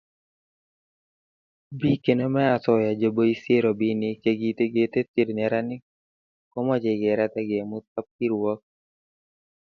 Bik chenomei osoya cheboisie robinik che kikitetyi neranik komochei kerat agemut kapkirwok